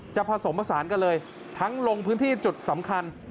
ผสมผสานกันเลยทั้งลงพื้นที่จุดสำคัญ